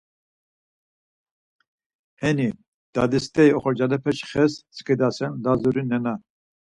Heni Dadi steri oxorcalepeşi xes skidasen Lazuri nena.